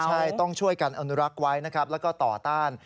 ใช่ต้องช่วยกันอนุรักษ์ไว้นะครับแล้วก็ต่อต้าน